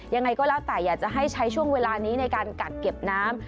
ยังไงก็แล้วแต่อยากจะให้ใช้ช่วงเวลานี้ในการกักเก็บน้ำ